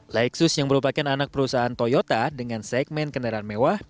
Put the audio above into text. lexus yang merupakan anak perusahaan toyota dengan segmen kendaraan mewah